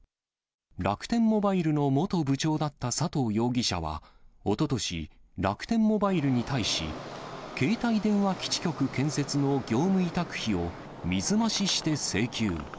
楽天モバイルの元部長だった佐藤容疑者はおととし、楽天モバイルに対し、携帯電話基地局建設の業務委託費を水増しして請求。